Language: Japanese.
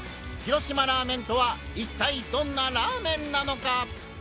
「広島ラーメン」とはいったいどんな「ラーメン」なのか！？